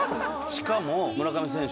しかも。